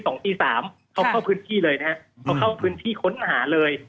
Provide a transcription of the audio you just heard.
ตีสามเขาเข้าพื้นที่เลยนะฮะเขาเข้าพื้นที่ค้นหาเลย